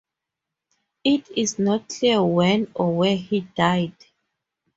It is not clear when or where he died.